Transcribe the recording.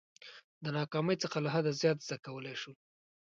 د ناکامۍ څخه له حده زیات زده کولای شو.